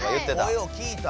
声を聞いた。